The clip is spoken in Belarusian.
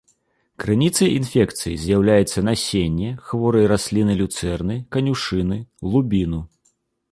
Крыніцай інфекцыі з'яўляецца насенне, хворыя расліны люцэрны, канюшыны, лубіну.